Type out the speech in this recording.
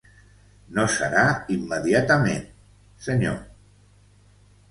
No serà immediatament, senyor.